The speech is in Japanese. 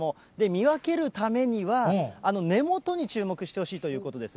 見分けるためには、根元に注目してほしいということです。